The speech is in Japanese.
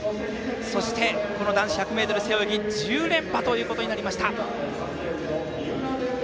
そして、この男子１００ｍ背泳ぎ１０連覇ということになりました。